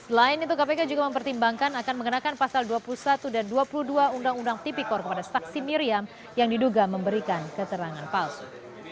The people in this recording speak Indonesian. selain itu kpk juga mempertimbangkan akan mengenakan pasal dua puluh satu dan dua puluh dua undang undang tipikor kepada saksi miriam yang diduga memberikan keterangan palsu